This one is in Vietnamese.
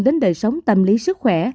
đến đời sống tâm lý sức khỏe